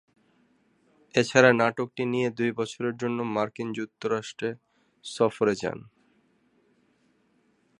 এছাড়া নাটকটি নিয়ে দুই বছরের জন্য মার্কিন যুক্তরাষ্ট্রে সফরে যান।